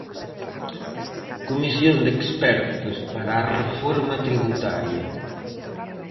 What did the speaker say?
Comisión de expertos para a reforma tributaria.